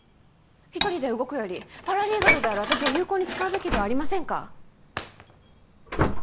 一人で動くよりパラリーガルである私を有効に使うべきではありませんか？